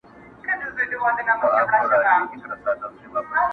د روغن یوه ښیښه یې کړله ماته!!